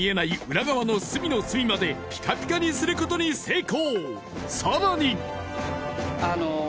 裏側の隅の隅までピカピカにすることに成功！